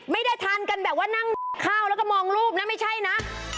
ไม่ได้ทานกันแบบว่านั่งข้าวแล้วก็มองรูปนะไม่ใช่นะ